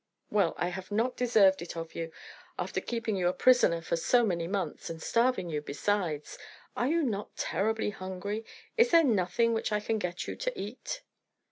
"Well, I have not deserved it of you, after keeping you a prisoner for so many months, and starving you, besides. Are you not terribly hungry? Is there nothing which I can get you to eat?"